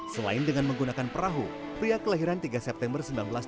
selain dengan menggunakan perahu pria kelahiran tiga september seribu sembilan ratus delapan puluh